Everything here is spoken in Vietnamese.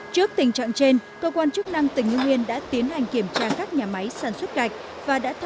trước tình trạng trên cơ quan chức năng tỉnh hưng yên đã tiến hành kiểm tra các nhà máy sản xuất gạch